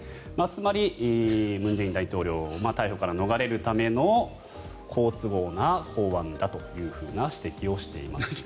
つまり、文在寅大統領が逮捕から逃れるための好都合な法案だという指摘をしていますが。